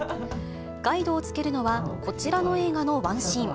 ガイドを付けるのは、こちらの映画のワンシーン。